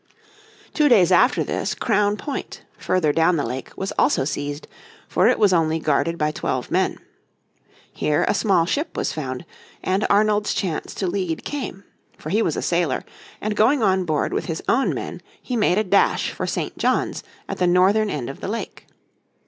Two days after this Crown Point, further down the lake, was also seized, for it was only guarded by twelve men. Here a small ship was found and Arnold's chance to lead came. For he was a sailor, and going on board with his own men he made a dash for St. John's at the northern end of the lake.